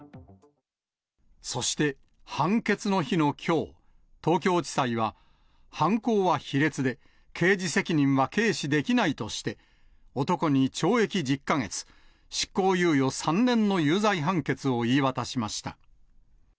そして、判決の日のきょう、東京地裁は、犯行は卑劣で、刑事責任は軽視できないとして、男に懲役１０か月、執行猶予３年の有罪判決を言い渡しました。